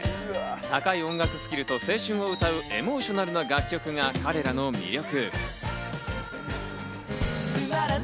高い音楽スキルと青春を歌うエモーショナルな楽曲が彼らの魅力。